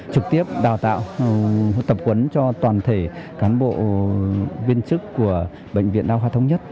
trực tiếp đào tạo tập huấn cho toàn thể cán bộ viên chức của bệnh viện đa khoa thống nhất